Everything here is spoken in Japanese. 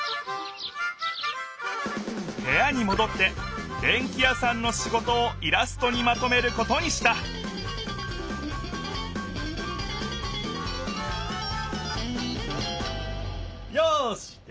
へやにもどってでんき屋さんの仕事をイラストにまとめることにしたよしできた！